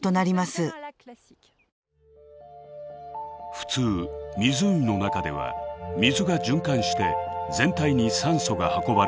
普通湖の中では水が循環して全体に酸素が運ばれています。